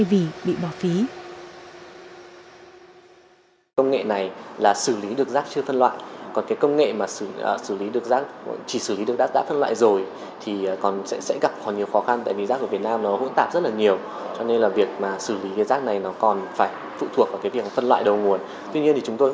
việc phân loại đầu nguồn tuy nhiên thì chúng tôi